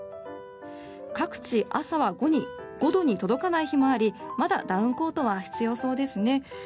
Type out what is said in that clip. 各地、朝は５度に届かない日もありまだダウンコートは必要そうですね。